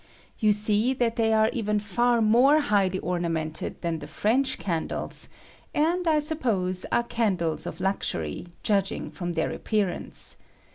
You see that they are even far more highly ornamented than the French candles, and, I suppose, are candles of luxury, judging from their appearance.